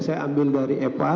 saya ambil dari epa